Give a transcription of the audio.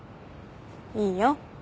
いいよ。